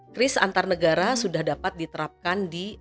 kris antar negara sudah dapat diterapkan di